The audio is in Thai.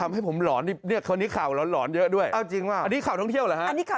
อันนี้ขาวร้อนเยอะด้วยอันนี้ขาวท่องเที่ยวเหรอ